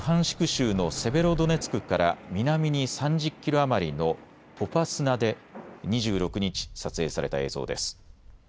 州のセベロドネツクから南に３０キロ余りのポパスナで２６日、撮影された映像です。